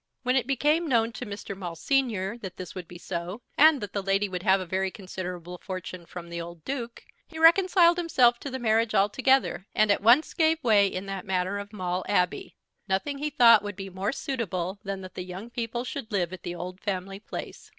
When it became known to Mr. Maule, Senior, that this would be so, and that the lady would have a very considerable fortune from the old Duke, he reconciled himself to the marriage altogether, and at once gave way in that matter of Maule Abbey. Nothing he thought would be more suitable than that the young people should live at the old family place.